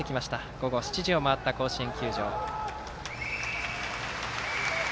午後７時を回った甲子園球場。